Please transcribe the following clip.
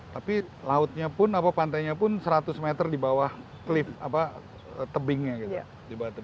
tapi lautnya pun apa pantainya pun seratus meter di bawah tebingnya gitu di batu